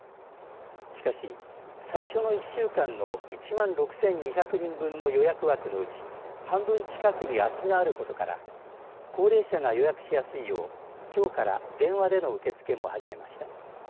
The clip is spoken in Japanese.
しかし、最初の１週間の１万６２００人分の予約枠のうち半分近くに空きがあることから高齢者が、予約しやすいようきょうから電話での受け付けも始めました。